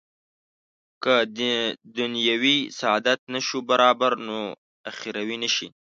که دنیوي سعادت نه شو برابر نو اخروي نه شي.